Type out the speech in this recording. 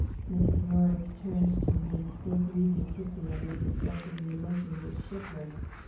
Mrs. Lawrence turned to me, still breathing quickly under the stress of the emotion which shook her.